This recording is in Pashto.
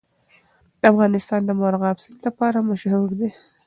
افغانستان د مورغاب سیند لپاره مشهور دی.